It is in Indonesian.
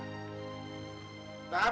kalau sumpah pocong